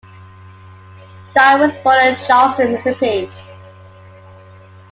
Dye was born in Charleston, Mississippi.